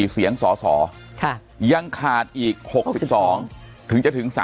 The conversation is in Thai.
๔เสียงสสยังขาดอีก๖๒ถึงจะถึง๓